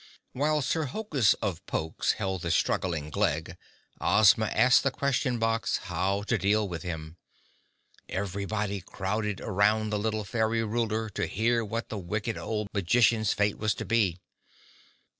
While Sir Hokus of Pokes held the struggling Glegg, Ozma asked the Question Box how to deal with him. Everybody crowded around the little Fairy Ruler to hear what the wicked old magician's fate was to be.